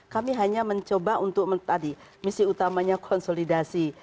kami hanya mencoba untuk tadi misi utamanya konsolidasi